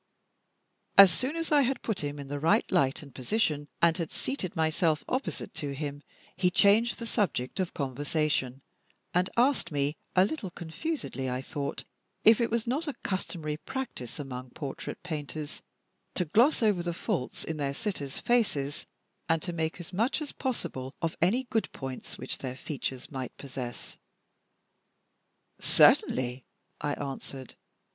As soon as I had put him in the right light and position, and had seated myself opposite to him, he changed the subject of conversation, and asked me, a little confusedly as I thought, if it was not a customary practice among portrait painters to gloss over the faults in their sitters' faces, and to make as much as possible of any good points which their features might possess. "Certainly," I answered.